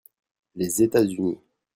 Les États-Unis.